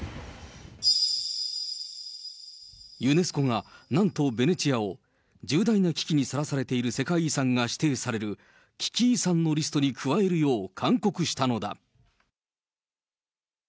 ユネスコが、なんとベネチアを、重大な危機にさらされている世界遺産が指定される危機遺産のリストに加えるよう勧告したのだ。